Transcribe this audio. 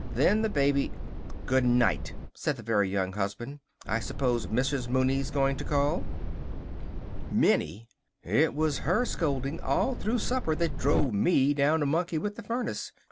Then the baby " "Good night!" said the Very Young Husband. "I suppose Mrs. Mooney's going to call?" "Minnie! It was her scolding all through supper that drove me down to monkey with the furnace.